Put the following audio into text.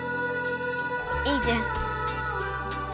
いいじゃん。